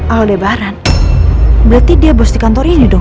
aldebaran berarti dia bos di kantor ini dong